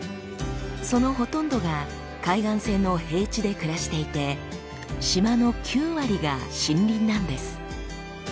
そのほとんどが海岸線の平地で暮らしていて島の９割が森林なんです。